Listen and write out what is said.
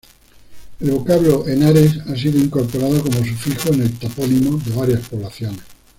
El vocablo "henares" ha sido incorporado, como sufijo, en el topónimo de varias poblaciones.